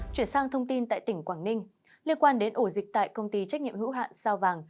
chuyển sang thông tin tại tỉnh quảng ninh liên quan đến ổ dịch tại công ty trách nhiệm hữu hạn sao vàng